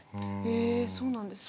えそうなんですか。